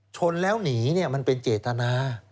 ชนแล้วหนีมันเป็นเจตนา